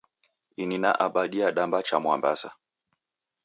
Ini na aba diadamba cha Mwambasa